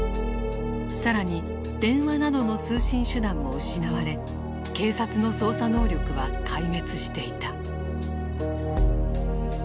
更に電話などの通信手段も失われ警察の捜査能力は壊滅していた。